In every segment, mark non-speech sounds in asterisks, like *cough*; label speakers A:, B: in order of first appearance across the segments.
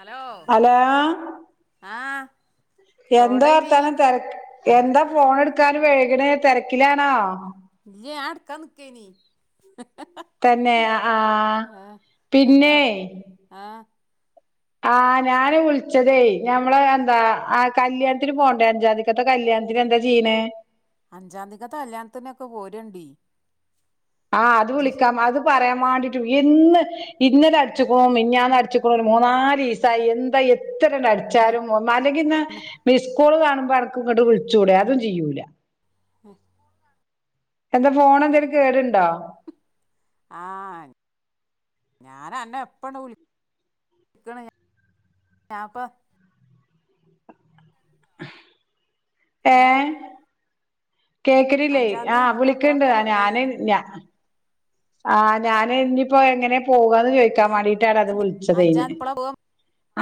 A: Hello
B: hello
A: ആ
B: എന്താ
A: എവിടേനി
B: വർത്താനം തെരക് എന്താ ഫോണ് എട്ക്കാന് വെഴ്ക്ണ് തെരക്കിലാണോ
A: ഇല്ല്യ ഞാ ഇട്ക്കാ ന്നിക്കേനി
B: തെന്നെ ആ
A: എന്താ
B: പിന്നേ
A: അർഥ ആ
B: ആ ഞാന് വിളിച്ചതേ ഞമ്മളെ എന്താ ആ കല്ല്യാണ്ത്തിന് പോണ്ടേ അഞ്ചാന്തികത്തെ കല്ല്യാ ണ്ത്തിന് എന്താ ചെയ്ണ്
A: അഞ്ചാതികത്തെ കല്ല്യാണ്ത്തിനൊക്കെ പോര്എണ്ടി
B: ആ അത് വിളിക്കാം അത് പറിആം മാണ്ടിട്ട് വിളി എന്ന് ഇന്നലെ അടിച്ച്ക്ണു മിഞ്ഞാന്ന് അടിച്ച്ക്ണു ഒര് മൂന്നാലീസായി എന്തായ് എത്രണ്ട് അടിച്ചാലും മാന്റെങ്കി ഇന്ന
A: തന്നെ
B: മിസ്കോള് കാണുമ്പോ അനക്ക് ഇങ്ങോട്ട് വിളിച്ചൂടെ അതും ചെയ്യൂല എന്താ ഫോണ് എന്തേങ്കിലും കേടുണ്ടോ
A: ആ ഞാനന്നെ എപ്പണ്ട് വിളിക്ക്ണ് ഞാൻപ്പം
B: ഏ കേക്കണില്ലേ
A: അഞ്ചാംതീ
B: ആഹ്
A: നമ്മക്ക് എപ്പളാ
B: വിളിക്കണ്ടാ
A: പോണ്ടേ
B: ഞാന് ഞ ആ ഞാൻ ഇനിയിപ്പോ എങ്ങനെ പോകന്ന് ചോദിക്കാൻ
A: ഏ
B: വേണ്ടീട്ടാ അന്നെ
A: ഇജ്ജ്ണ്ട്
B: വിളിച്ചത്
A: അഞ്ചാംതീ എപ്പളാ പോവാ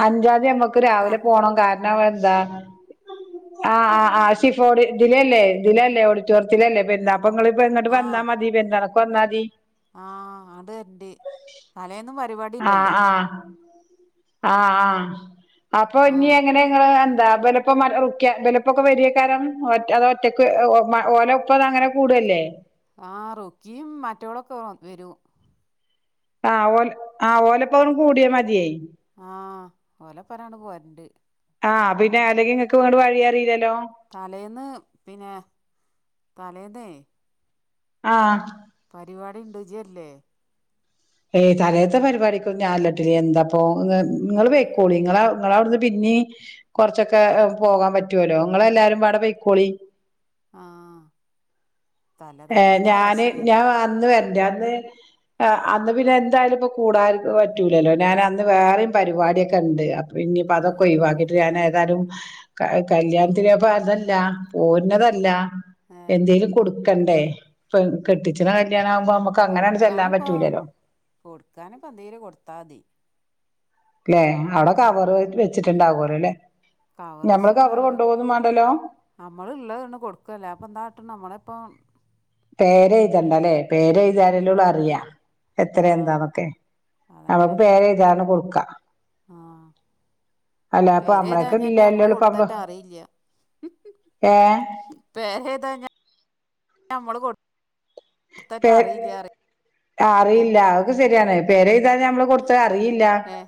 B: അഞ്ചാതീ നമ്മ ക്ക്
A: ട്ടാ
B: രാവിലെ പോണം കാരണം എന്താ ആഹ് ആ ആ ഷിഫ ഓടി ദിലല്ലേ ദിലല്ലേ ഓടിറ്റോറിയത്തലല്ലേ പെരുന്ന അപ്പങ്ങള് ഇപ്പഇങ്ങോട്ട് വന്നാ മതി പെരുന്നാൾക്ക് വന്നാ മതി
A: ആഅത് വര്ണ്ട് തലേന്നും പരിപാടി
B: ആ
A: ഇണ്ടല്ലോ
B: ആ ആ ആഅപ്പൊ
A: ആ
B: ഇനി എങ്ങനെങ്ങൾ ദാപലപ്പം മ റുക്കിയ ഇബാലോപ്പം ക്കെ വരിയക്കാരം ഒറ്റക്ക് ഓലപ്പം അങ്ങനെ കൂട *inaudible* അല്ലേ
A: ആറുക്കിയും മറ്റോളൊക്കെ വരും
B: അ ഓല ആഓലപ്പം കൂടിയാൽ മതി
A: ആ ഓലെ പറരാണ് പോരുണ്ട്
B: ആ പിന്നെ അല്ലെങ്കിൽ നിങ്ങക്ക് ഇങ്ങോണ്ട് വഴി അറിയില്ലല്ലോ
A: തലേന്ന് പിന്നെ തലേന്ന്
B: ആ
A: പരിപാടി ഉണ്ട്ജ്ജ് വരില്ലേ
B: ഏയ് തലേന്നത്തെ പരിപാടിക്കും ഞൻല്ലട്ടോടീഎന്താപ്പൊ ങ്ങള്
A: ഏ
B: പൊയ്ക്കോളീ നിങ്ങള ഞങ്ങള അവിടുന്ന് പിന്നീ കൊറച്ചൊക്കെ പോകാൻ പറ്റല്ലോ നിങ്ങള എല്ലാരും വടെ പെയിക്കോളി
A: ആ
B: ഏ ഞാന് ഞാൻ അന്ന് വരണ്ട് അന്ന് അന്ന് പിന്നെ എന്തായാലും ഇപ്പ കൂടാ പറ്റൂലല്ലോ ഞാൻ അന്ന് വേറെയും പരിപാടിയൊക്കെ ഉണ്ട് ഇന്നയിപ്പൊ
A: ഏ
B: അതൊക്കെ ഒഴിവാക്കിട്ട് ഞാൻ ഏതാലു കല്യാണത്തിന്പ്പ അതല്ല പോർ ന്നതല്ല
A: ഏ
B: എന്തേലും കൊടുക്ക ക്കണ്ടേ പെകെട്ടിച്ചണ കല്യാണ
A: കൊടുക്കാനിപ്പ കൊടുക്കാനിപ്പ എന്തേലും കൊടുത്താതി
B: ല്ലെ അവിടെ കവറ് വെച്ചിട്ടുണ്ടാവലോല്ലേ ഞമ്മള് കവറ് കൊണ്ടു പോകുന്നു വേണ്ടല്ലോ
A: നമ്മള്ള്ളതണ് കൊടുക്ക അല്ലപ്പന്ത കട്ട്ണ് നമ്മൾ ഇപ്പ
B: പേരെഴുതണ്ടല്ലേ പേരെഴുതിയ ലള്ളൂഅറിയ എത്ര
A: ആഹ്
B: എന്താണൊക്കെ നമ്മക്ക്
A: അതന്നെ
B: പേരെ എഴുതാതന്നകൊടുക്കാ
A: ആഹ്
B: അല്ലപ്പൊ നമ്മളക്കെ ഇല്ലല്ലേള്ളു പ്പ ന -
A: പേരഴുതാഞ്ഞനമ്മള് കൊ
B: പേ അറിയില്ല അതൊക്കെ ശരിയാണ് പേരെഴുതാന്ന നമ്മള് കൊടുത്ത അ അറിയില്ല
A: ഏ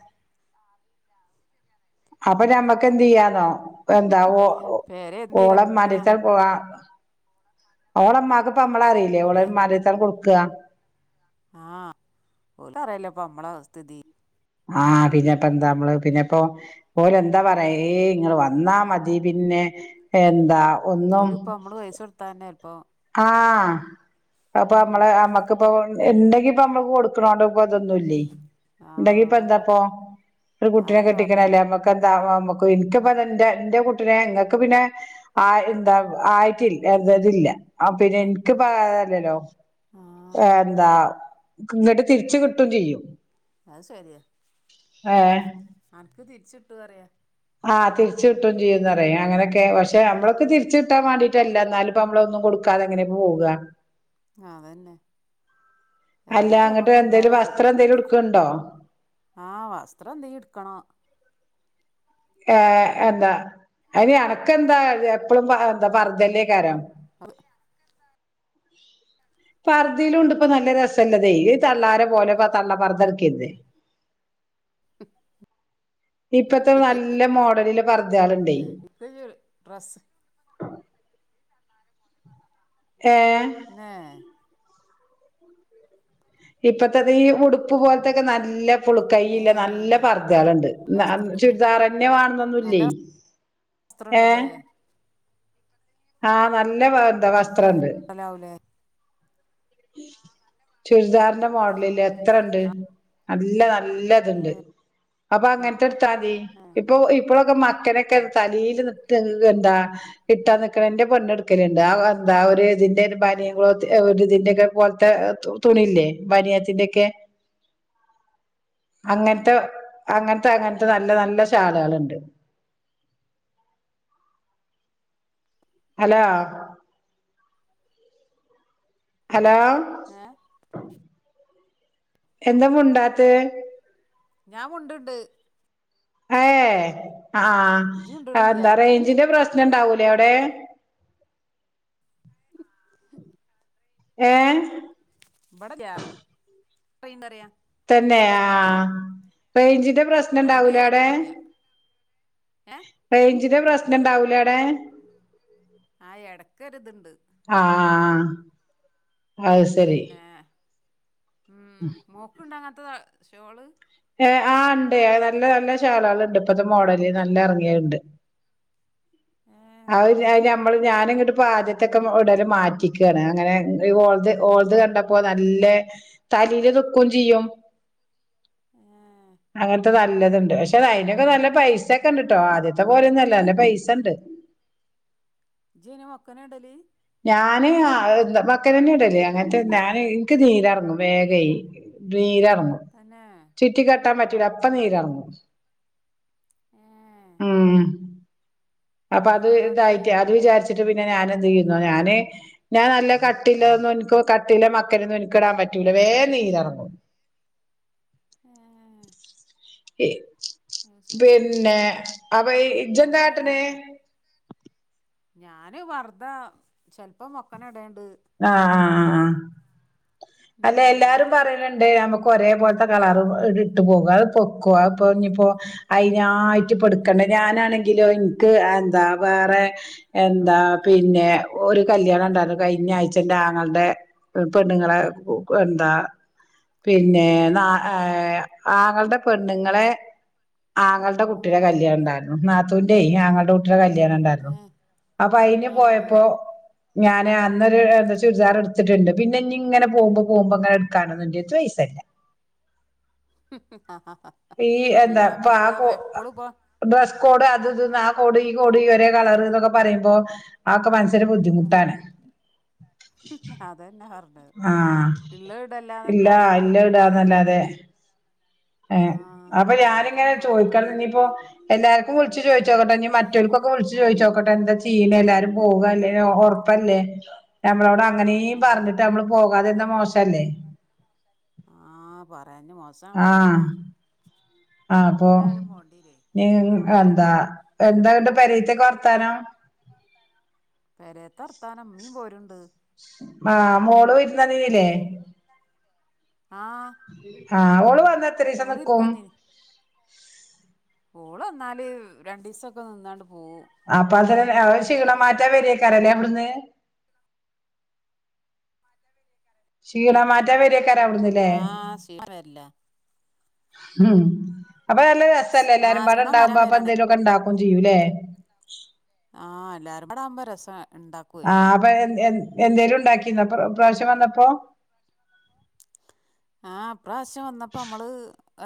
B: അപ്പൊ ഞമ്മക്ക്ന്ത് യ്യന്നോ എന്താ ഓ
A: പേരെ
B: ഓള മാന്റെ ട്
A: ആഹ്
B: തണ്ട് പോവാ ഓളമ്മാക്ക് ഇപ്പ നമ്മള അറിയില്ലേ ഓളമാട്ത്തങ് കൊടുക്കുക
A: ആ ഓൽക്കഅറയില്ലേ പ്പ നമ്മളെ സ്ഥിതി
B: ആ പിന്നെപ്പ എന്താ നമ്മള് പിന്നെപ്പോഓര് എന്താ പറയാഏ നിങ്ങൾ വന്നാ മതി പിന്നെ എന്താ
A: ഓലിപ്പമ്മൾ പയസടുത്ത തന്നെ ഇപ്പം
B: ആ അപ്പൊ നമ്മള നമ്മക്കിപ്പോ ഇണ്ടാങ്കി ഇപ്പം നമ്മക്ക് കൊടുക്കണോണ്ടപ്പ അതൊന്നുല്ലേ ഉണ്ടെങ്കി
A: ആഹ്
B: ഇപ്പ
A: അതല്ലോ
B: എന്താപ്പൊ ഒരു കുട്ടിനെ
A: അതല്ലേ പറഞ്ഞേ
B: കെട്ടിക്കണല്ലേ അമ്മക്ക് എന്താമ്മ എനിക്കപ്പ എന്റെ എന്റെ കുട്ടിനെ ഇങ്ങക്ക് പിന്നെ ആ എന്താ
A: ആഹ്
B: ആയിട്ട *unintelligible* ആ പിന്നെ
A: ആഹ്
B: എനിക്ക് അതല്ലോല്ലേ
A: ആഹ്
B: എന്താ ഇങ്ങിട്ട് തിരിച് കിട്ടും ചെയ്യും
A: അത് ശരിയ
B: ഏ
A: ആനക്ക് തിരിച്ചിട്ടു പറയാ
B: ആ തിരിച്ച കിട്ടും ചെയ്യുന്ന അറിയ അങ്ങനെയൊക്കെ
A: ആഹ്
B: പക്ഷെ നമ്മളൊക്കെ തിരിച്ച് ട്ടാൻ വേണ്ടീട്ടല്ല എന്നാലും ഇപ്പ നമ്മളൊന്നും കൊടുക്കാതെങ്ങനെ പോവ
A: അതന്നെ
B: അല്ല
A: ഏതായാലും
B: അങ്ങിട്ട്
A: നമ്മക്ക്
B: എന്തേലും വസ്ത്രം എന്തേലും ഉടുക്കണ്ടോ
A: ആ വസ്ത്രം എന്തെങ്കിലും എടുക്കണ്ണം
B: ഏഹ് എന്ത അയിന് അനക്കെന്താ എപ്പളും പ എന്ത ഇപ്പ അർജന്റേക്കാരം. പർദേലുണ്ട് ഇപ്പ നല്ല രസല്ലതെ ഈ തള്ളാരെ പോലെ തള്ള പർദ്ദ എട്ക്കെ ര്ത്. ഇപ്പത്തെ
A: ഇക്ക്
B: നല്ല മോഡലിലെ പർദ്ദേള്ണ്ട്.
A: ഇയ്യ് ഡ്രസ്സ്
B: ഏഹ്
A: തന്നെ
B: ഇപ്പത്തെത് ഈ ഉടുപ്പ് പോൽത്തൊക്കെ നല്ല ഫുൾകയ്യില്ലേ നല്ല
A: ഏഹ്
B: പർദ്ദേള്ണ്ട്.
A: നല്ല
B: ന
A: വസ്ത്രണ്ടല്ലേ
B: ചുരിദാറെന്നെ
A: നല്ല
B: വാണന്നൊന്നുല്ലേ.
A: വസ്ത്രണ്ടല്ലേ
B: ആ നല്ല വ എന്താ
A: ഏഹ്
B: വസ്ത്രണ്ട്.
A: ലാവൂലേ
B: ചുരിദാറിന്റെ മോഡലില്
A: ഏഹ്
B: എത്രണ്ട് നല്ല ന നല്ലത്ണ്ട്. അപ്പ അങ്ങൻത്തെ ഇട്ത്താതി.
A: ഏഹ്
B: ഇപ്പൊ ഇപ്പൊളൊക്കെ മക്കനെക്കെ
A: ആഹ്
B: തലേല് നിട്ട എന്താ ഇട്ട നി ക്ക് ഇന്റെ പെണ്ണെട്ക്കല്ണ്ട് അഹ് എന്താ ഒരു ഇതിന്റെര് ബനിൻ ക്ലോത്ത് ഒര് ഇതിന്റെക്കെ പോൽത്തെ തു തു ണില്ലേ ബനിയെത്തിന്റെക്കെ അങ്ങൻത്തെ അങ്ങൻത്തെ അങ്ങൻത്തെ നല്ല നല്ല ഷാൾള്ണ്ട്. അലോ ഹലോ
A: ഏഹ്
B: എന്താ മുണ്ടാത്തെ
A: ഞാൻ മുണ്ട്ണ്ട്
B: ഏഹ് ആഹ്
A: ഇജ്ജ് മുണ്ട്ണില്ല
B: എന്താറേഞ്ചിന്റെ പ്രശ്ന പ്രശ്നണ്ടാവൂലേ അവിടെ ഏഹ്
A: പയിന്തറിയാ
B: തന്നെ ആഹ്
A: ആഹ്
B: റേഞ്ചിന്റെ പ്രശ്നോ
A: അന്റെ
B: ഇണ്ടാവിലെ അവിടെ
A: കേക്ക്ണില്ല ഏഹ്
B: റേയ്ഞ്ച് ഞ്ചിന്റെ പ്രശ്നോ ഇണ്ടാവുലെ അവിടെ
A: ആ എടക്കെരിതുണ്ട്
B: ആഹ് അത് ശരി
A: പിന്നെ ഉം മോക്ക് ഇണ്ടാങ്ങാത്ത അ ഷോള്
B: ഏഹ് ആ ഉണ്ട് നല്ല നല്ല ഷാളാള് ഉണ്ട് ഇപ്പത്തെ മോഡല് നല്ല ഇറങ്ങിയണ്ട്
A: ഏഹ്
B: അയ് ഞമ്മള് ഞാനി ഇങ്ങട്ട് ആദ്യത്തൊക്കെ ഇടൽ മാറ്റിക്കയാണ് അങ്ങനെ ഓളത് ഓ ളത് കണ്ടപ്പോ നല്ല തലയില് നിക്കും ചെയ്യും
A: ഏഹ്
B: നല്ലതുണ്ട് പക്ഷെ അയിനൊക്കെ നല്ല പൈസൊക്കെ ഉണ്ട്ട്ടോ ആദ്യത്തെ പോലെന്നല്ല നല്ല പൈസണ്ട്
A: ഇജ്ജ് അയിന് മെക്കനെ ഇടല്
B: ഞാന് ആയ് മക്കനന്നെയാ ഇടല് അങ്ങനത്തെ ഞാന് എനിക്ക് നീരിറങ്ങും വേഗേ നീര്എറങ്ങും
A: തന്നേ
B: കുത്താൻ പറ്റൂല അപ്പം നീരെറങ്ങും
A: ഏഹ്
B: ഉം അപ്പൊ
A: ന്നട്ട്
B: അത്
A: ഇജ്ജെന്താ കാട്ടല്
B: ഇതായിട്ട് അത് വിചാരിച്ചിട്ട് പി ന്നെ ഞാൻ എന്തെയ്യുന്നോ ഞാന് ഞാന് നല്ല കട്ടില്ലോന്നും ഇൻക്ക് കട്ടില്ല മക്കനൊന്നും ഇൻക്കിടാൻ പറ്റൂല വേം നീരെറങ്ങും
A: ഏ എ എ
B: *inaudible* പിന്നെ അപ്പൊ ഇജ്ജെന്താട്ടല്
A: അങ്ങനെണ്ട്ല്ലേ ഞാന് വർഥ ചെൽപ്പം മൊക്കന ഇടാൻ
B: ആഹ് ആഹ് അ ആ അല്ലേ
A: ഉം
B: എല്ലാരും പറയലുണ്ട് നമുക്ക് ക്ക് ഒരേ പോലത്തെ കളറും ഇത് ഇട്ട് പോകും അത്പ്പൊക്കോ അതിപ്പോ ഇനിയിപ്പോ അയിനായിട്ട് പ്പെടുക്കണ്ടെ ഞാനാണെങ്കിലോ ഇൻക്ക് എന്താ വേറെ എന്താ പിന്നെ ഒരു കല്യാണം ണ്ടാരുന്നു കഴിഞ്ഞ ആഴ്ച എൻ്റെ ആങ്ങൾടെ പെണ്ണുങ്ങളെ കൊ കൊ എന്താ പിന്നെ ന ഏ ആങ്ങൾടെ പെണ്ണുങ്ങളെ ആങ്ങൾടെ കുട്ടിടെ
A: ആഹ്
B: കല്യാണം ഉണ്ടായിരുന്നു നാത്തൂന്റെ ആങ്ങൾടെ കുട്ടിടെ കല്യാണം ഉണ്ടായിരുന്നു
A: ഏഹ്
B: അപ്പൊ അയിന്
A: ആഹ്
B: പോയപ്പോ ഞാന് അ അന്നൊരു എന്താ ചുരിദാർ എടുത്തിട്ടുണ്ട് പിന്നെ ഇനി ഇങ്ങനെ പോവുമ്പം പോവുമ്പം ഇങ്ങനെ എടുക്കാനൊന്നും ഇൻ്റെടുത്ത് പൈസല്ല ഈ എന്താ
A: എല്ലാ
B: പ
A: ഇപ്പത്താ
B: കോ
A: എപ്പളും ഇപ്പ
B: ഡ്രസ്സ് കോഡ് അതിതും ആ കോഡ് ഈ കോഡ് ഒരേ കളർന്നൊക്കെ പറയുമ്പോ ആക്ക മനസ് ത്തരെ ബുദ്ധിമുട്ടാണ്
A: അതന്നെ പറഞ്ഞത്
B: ആഹ്
A: ഇള്ളത് ഇടല്ലാതെ
B: ഇല്ലാ
A: എന്താട്ടണ്
B: ഇല്ല ഇടാന്നല്ലാതെ ഏ
A: ആഹ്
B: അപ്പം ഞാനിങ്ങനെ
A: എല്ലാത്തിനും വേണ്ട
B: ചോദിക്കണം
A: പൈസ
B: ഇനിയിപ്പോ എല്ലാർക്കും വിളിച്ച് ചോയിച്ചോക്കട്ടെ ഇനി മറ്റോൽക്കു ക്ക് വിളിച്ചു ചോയിച്ചോക്ക *unintelligible* എന്താ ചെയ്യീണ എല്ലാരും പോകല്ലേ ഒറപ്പല്ലേ നമ്മളോട് അങ്ങനേയും
A: ആഹ്
B: പറഞ്ഞിട്ട് നമ്മള് പോ പോകാതിരുന്നാ മോശല്ലേ
A: ആഹ് പറയാഞ്ഞ് മോശാ
B: ആഹ്
A: പറയാണ്ടോ
B: ആ അപ്പൊ
A: എന്തായാലും പോണ്ടീല്ലേ
B: നിങ് എന്താ എന്താണ്ട് പെരയ്ത്തെക്കെ വർ ത്താനം
A: ന്ത് വർത്താനം ഉമ്മീം പോരുണ്ട്
B: ആഹ് മോള് വരുന്നത് ലേ
A: ആഹ്
B: ആഹ് ഓള് വന്നാ എത്തിരീസം
A: മോള്
B: നിക്കും
A: ഇരുന്നന്നീനി ഓള് വന്നാല് രണ്ടീസൊക്കെ നിന്നാണ്ട് പോവും
B: കുട്ടികളെ മാറ്റാ വരിയക്കാറില്ലേ അവിടുന്ന് ക്ഷീണ മാറ്റ വരിയ
A: ആഹ് *inaudible*
B: ഉം അപ്പൊ നല്ല രസല്ലെ എല്ലാരും
A: ആഹ്
B: ഇപടെ
A: ക്ഷീണം മാറ്റാൻ
B: ഉണ്ടാവുമ്പം അപ്പം
A: വരാണേ
B: എന്തേലു ഒക്കെ ഉണ്ടാ ഫോൺ ചെയ്യൂലേ
A: ആഹ് എല്ലാരും കൂടെ ആവുമ്പം രസ
B: ആഹ് അപ്പൊ എ എന്ത് എന്തേലും ഉണ്ടാക്കിന്നോ ഇപം ഇപ്രാവശ്യം വന്നപ്പോ
A: ആഹ് ഇപ്രാവശ്യം വന്നപ്പം നമ്മള്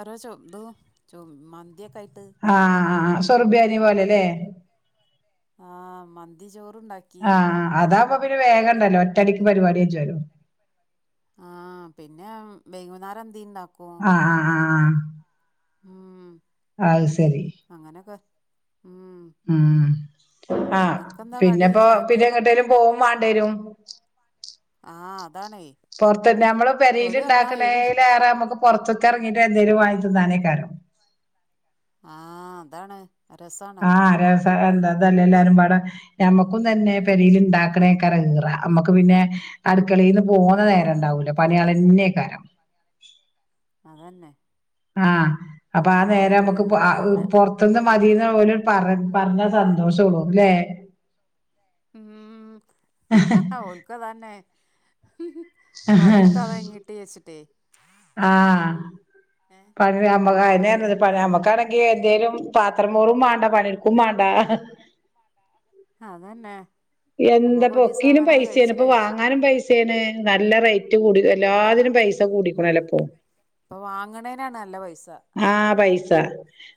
A: ഓരോ ചോ തും ചും മന്തിയൊക്കെ ആയി
B: ആഹ് അ ആ സൊർബിയാനി പോലെലേ
A: ആഹ് മന്തി ചോർ
B: ആഹ് അതാപ്പം പിന്നെ വേഗം ഉണ്ടല്ലോ ഒറ്റടിക്ക് പരിപാടി *unintelligible*
A: ആഹ് പിന്നെ വൈകുന്നേരം എന്തിണ്ടാക്കും
B: ആ ആഹ് ആഹ് ആഹ്
A: ഉം
B: അത് ശരി
A: അങ്ങനൊക്കെ ഉം
B: ഉം ആഹ്
A: അനക്കെന്താ കടി
B: പിന്നെപ്പോ
A: ചായക്ക്
B: പിന്നെ എങ്ങോട്ടേലും പോകും വാണ്ടേരും
A: ആഹ്
B: പുറത്തുന്നെ നമ്മള് പെരയിൽ
A: എന്നാ ഒഴിവ്
B: ഇണ്ടാക്കണലേറെ നമ്മുക്ക് പുറത്തൊക്കെ ഇറങ്ങിട്ട് എന്തേലും വാങ്ങിയിട്ട് തിന്നാനേക്കാരം
A: ആഹ അതാണ്
B: ആ
A: രസാണല്ലോ
B: രസ എന്താ ല്ല എല്ലാരും പാടെ ഞമ്മക്കും തന്നെ പെരില് ഉണ്ടാക്കണേക്കാരം ഈറ നമ്മക്ക് പിന്നെ അടുക്ക ക്കളീന്ന് പോകുന്ന
A: ആ
B: നേരം ഉണ്ടാവൂലേ പണിയളന്നെയക്കാരം
A: അതന്നെ
B: ആ അപ്പൊ ആ നേരെ
A: ഒരു
B: നമ്മുക്ക്
A: ഒഴിവും
B: ആ
A: ഉണ്ടാവൂല
B: പുറത്തുന്ന് മതിന്ന് പോല പറ പറഞ്ഞാ സന്തോഷ ഉള്ളൂ ല്ലേ
A: ഉം ഓൾക്കും അത് തന്നെ പണിടുക്കാതെ എങ്ങട്ട *unintelligible*
B: ആ
A: ഏഹ്
B: പണ അമ്മത് അതിനു
A: ആഹ്
B: തന്നെ പണ അമ്മക്കണെങ്കിൽ അ എന്തേങ്കലും പാത്രം പോറും വേണ്ട പണിടുക്കും വേണ്ടാ
A: അതന്നെ
B: എന്താ
A: നമ്മുക്ക് ഒരീസം
B: പൊക്കിനും
A: അങ്ങനാണ്ട്
B: പൈസയാണ്
A: കഴിച്ചിലാ
B: ഇപ്പൊ
A: വിചാരിച്ചിക്ക്
B: വാങ്ങാനും പൈസയാണ് നല്ല റേറ്റ് കൂടി
A: ഏഹ്
B: എല്ലാതിനും പൈസ കൂടിക്കണ അല്ലപ്പോ
A: ഇപ്പൊ വാങ്ങണേനാ നല്ല പൈസ
B: ആ പൈസ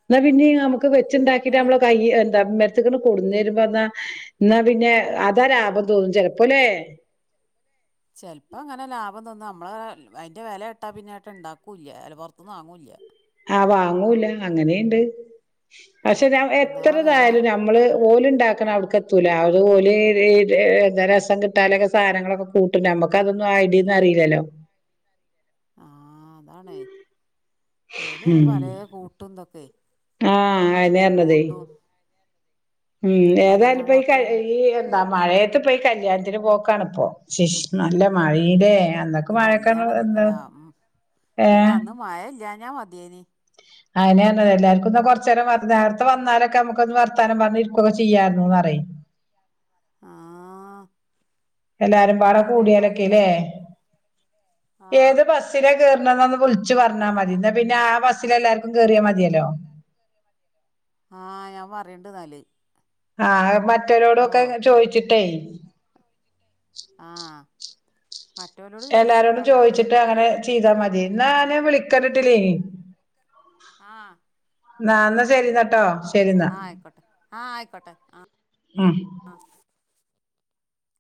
B: എന്നാ പിന്നെ നമുക്ക് വെച്ചണ്ടാക്കിയിട്ട്
A: അതിനാട്ടല്ല
B: നമ്മള് കയ എന്താ ക്ക കൊടന്ന വരുമ്പോ എന്നാ എന്നാ പിന്നെ അതാ ലാഭം തോന്നും ചെലപ്പോല്ലേ
A: ചെലപ്പോ അങ്ങനെ ലാഭം തോന്നു നമ്മളെ അതിന്റെ വില ഇട്ടാ പിന്നൊയിട്ട് ഇണ്ടാക്കൂല്ല അ പുറത്തന്നും വാങ്ങൂല്ല
B: വാങ്ങൂല അങ്ങനെയണ്ട് പക്ഷെ
A: എന്താ വെല
B: എത്രതായാലും നമ്മള് പോലും ഉണ്ടാക്കണ അവിടെത്ത് എത്തൂല അതുപോലെ രസം കിട്ടാലൊക്കെ സാധനങ്ങളൊക്കെ കൂട്ട നമുക്ക്തൊ ആ ഐഡിയന്ന് അറിയില്ലല്ലോ
A: ആ അതാണ് ഓൾ ഇനി പല കൂട്ടുന്തൊക്കെ
B: ആ ആ നേരന്നതെ ഉം ഏതായാലും ഇപ്പ ഈ
A: അജിനാമോട്ടയും
B: ഈ എന്താ മഴ *unintelligible* പോയി കല്യാണത്തിന് പോക്കാണിപ്പോ ശിസ് നല്ല മഴടെ
A: അന്ന് കല്യാണം അല്ല ഉം അല്ല
B: ഏഹ്
A: അന്ന് മഴ ഇല്ലഞ്ഞാ മതിയേനി
B: അയിനെയാണ് എല്ലർക്കും കൊറച്ച നേരം നേരത്തെ വന്നാലൊക്കെ നമുക്കൊന്ന് വർത്തമാനം പറഞ്ഞ് ഇരി *unintelligible* ചെയ്യായിരുന്നു പറയും
A: ആഹ്
B: എല്ലാരും പാട
A: അന്ന്
B: കൂടിയാലൊക്കെല്ലേ
A: ഇതേമാതിരിയൊക്കെന്നേ ആഹ്
B: ഏത് ബസിലെ കേറണതെന്ന് വിളിച്ച് പറഞ്ഞാ മതി എന്നാ പിന്നെ ആ ബസ്സില് എല്ലാർക്കും കേറിയാ മതിയല്ലോ
A: ആ ഞാൻ പറയണ്ട് എന്നാല്
B: ആ
A: ട്ടോ
B: മറ്റരോടുമൊക്കെ ചോയിച്ചിട്ടേ
A: ആ മറ്റോലോട് ചോദിച്ച്
B: എല്ലാരോടും
A: നോക്കാം നമുക്ക്
B: ചോദിച്ചിട്ട് അങ്ങനെ ചെയ്താ മതി എന്നന്നെ വിളിക്കണ്ടിട്ടില്ല ഇനി
A: ആ
B: എന്നാ ശരിന്നട്ടോ
A: ആയിക്കോട്ടെ
B: ശരിന്നാ
A: ആ ആയിക്കോട്ടെ ആഹ്
B: ആ